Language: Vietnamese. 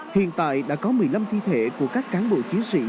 hiện tại đã có một mươi năm thi thể của quân đội đã bị vùi lấp ở phía trong